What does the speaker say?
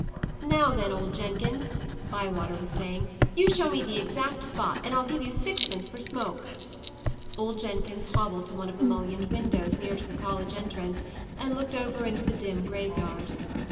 "Now then, old Jenkins!" Bywater was saying. "You show me the exact spot, and I'll give you sixpence for smoke." Old Jenkins hobbled to one of the mullioned windows near to the college entrance, and looked over into the dim graveyard.